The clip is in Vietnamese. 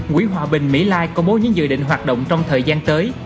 quỹ hòa bình mỹ lai công bố những dự định hoạt động trong thời gian tới